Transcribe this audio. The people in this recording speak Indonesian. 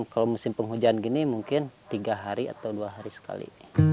kalau musim penghujan gini mungkin tiga hari atau dua hari sekali